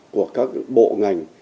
của các bộ ngành